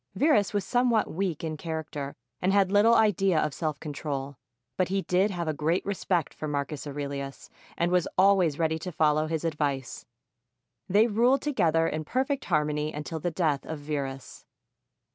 Verus was somewhat weak in character and had little idea of self control; but he did have a great respect for Marcus Aurelius and was always ready to follow his advice. They ruled together in perfect harmony until the death of Verus.